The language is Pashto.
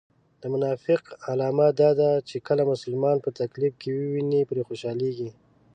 د منافق علامه دا ده چې کله مسلمان په تکليف و ويني پرې خوشحاليږي